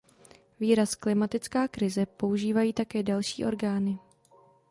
Výraz "klimatická krize" používají také další orgány.